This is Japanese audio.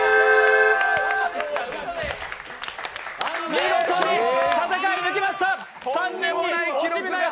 見事に戦い抜きました！